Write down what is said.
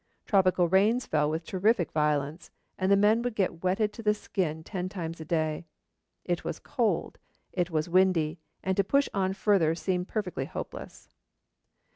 Tropical rains fell with terrific violence, and the men would get wetted to the skin ten times a day. It was cold, it was windy, and to push on farther seemed perfectly hopeless.